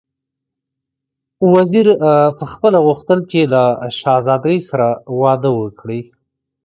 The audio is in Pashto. وزیر پخپله غوښتل چې له شهزادګۍ سره واده وکړي.